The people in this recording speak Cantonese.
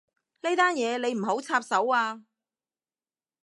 呢單嘢你唔好插手啊